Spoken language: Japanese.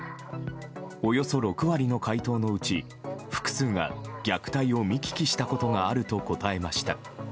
およそ６割の回答のうち、複数が虐待を見聞きしたことがあると答えました。